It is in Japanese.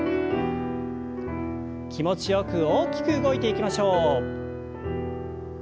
気持ちよく大きく動いていきましょう。